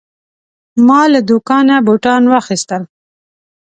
ما له دوکانه بوتان واخیستل.